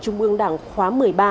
trung ương đảng khóa một mươi ba